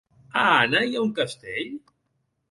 A Anna hi ha un castell?